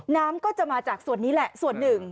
น้ำก็จะมาจากส่วนนี้แหละส่วนหนึ่ง